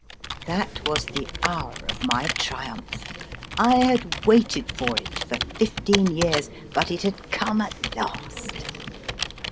That was the hour of my triumph. I had waited for it for fifteen years, but it had come at last.